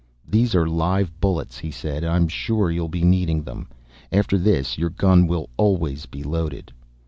"These are live bullets," he said. "I'm sure you'll be needing them. After this your gun will always be loaded."